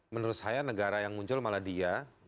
menurut saya negara yang muncul malah dia